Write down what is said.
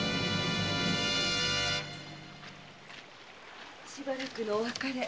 しばらくのお別れ。